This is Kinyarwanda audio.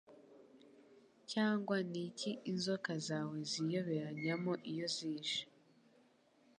Cyangwa niki l inzoka zawe ziyoberanyamo iyo zije